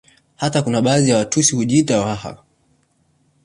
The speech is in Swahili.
Hata kuna baadhi ya Watusi hujiita Waha